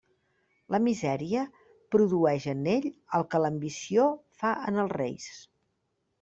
La misèria produeix en ell el que l'ambició fa en els reis.